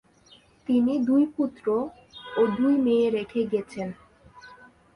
তিনি দুই পুত্র ও দুই মেয়ে রেখে গেছেন।